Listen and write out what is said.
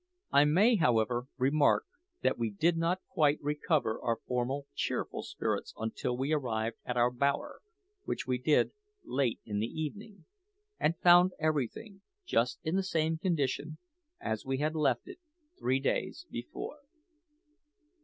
I may, however, remark that we did not quite recover our former cheerful spirits until we arrived at our bower, which we did late in the evening, and found everything just in the same condition as we had left it three days before.